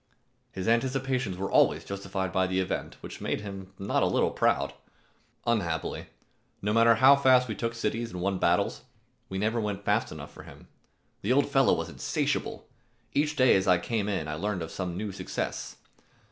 His anticipations were always justified by the event, which made him not a little proud. Unhappily, no matter how fast we took cities and won battles, we never went fast enough for him. The old fellow was insatiable. Each day as I came in, I learned of some new success.